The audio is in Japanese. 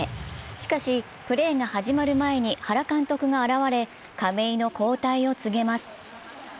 しかし、プレーが始まる前に原監督が現れ、亀井の交代を告げます。